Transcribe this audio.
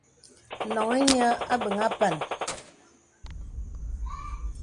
À noŋhī nīə àbéŋ àpān.